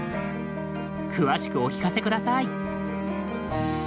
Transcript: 詳しくお聞かせ下さい。